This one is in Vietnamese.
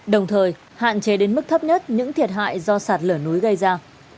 đồng thời hạn chế đến mức thấp nhất những thiệt hại do sạt lở núi gây ra